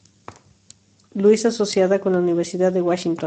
Louis asociada con la Universidad de Washington.